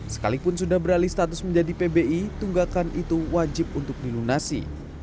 sekalipun sudah beralih status menjadi pbi tunggakan itu wajib untuk dilunasi